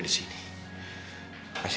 mak ibu bach